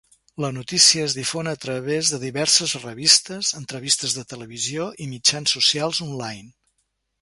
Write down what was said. La notícia es difon a través de diverses revistes, entrevistes de televisió i mitjans socials on-line.